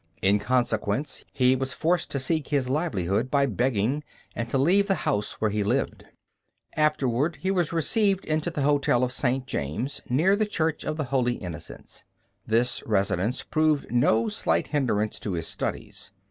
In consequence, he was forced to seek his livelihood by begging, and to leave the house where he lived. Afterward he was received into the Hospital of St. James, near the Church of the Holy Innocents. This residence proved no slight hindrance to his studies.